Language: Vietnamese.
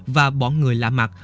và bọn người lạ mặt